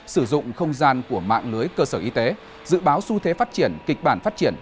sử dụng không gian của mạng lưới cơ sở y tế dự báo xu thế phát triển kịch bản phát triển